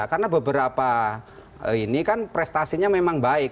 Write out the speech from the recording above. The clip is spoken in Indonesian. karena beberapa ini kan prestasinya memang baik